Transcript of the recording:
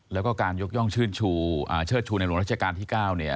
แล้วก็การยกย่องเชิดชูในหลวงราชการที่๙เนี่ย